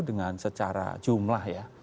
dengan secara jumlah ya